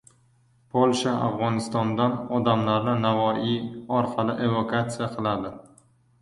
Polsha Afg‘onistondan odamlarni Navoiy orqali evakuasiya qiladi